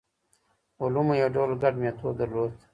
علومو یو ډول ګډ میتود درلود.